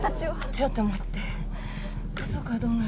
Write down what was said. ちょっと待って家族はどうなるの？